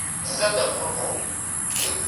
کله چې موبایل ته ګورم، ستا تصویر مې سترګو ته راځي.